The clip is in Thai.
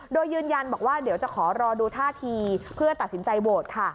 โดยยืนยันบอกว่าเดี๋ยวจะขอรอดูท่าทีเพื่อตัดสินใจโหวตค่ะ